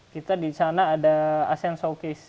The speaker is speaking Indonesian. kita di sana ada asean showcase